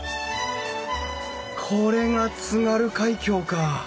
これが津軽海峡か！